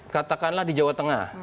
katakanlah di jawa tengah